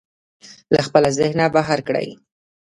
له خپله ذهنه بهر کړئ.